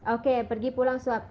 oke pergi pulang swab